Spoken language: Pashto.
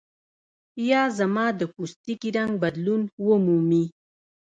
یا زما د پوستکي رنګ بدلون ومومي.